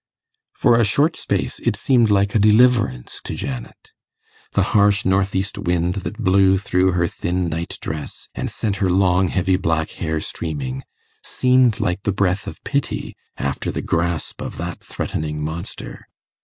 For a short space, it seemed like a deliverance to Janet. The harsh north east wind, that blew through her thin night dress, and sent her long heavy black hair streaming, seemed like the breath of pity after the grasp of that threatening monster.